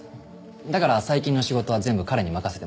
だから最近の仕事は全部彼に任せてまして。